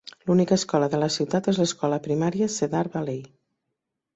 L'única escola de la ciutat és l"escola primària Cedar Valley.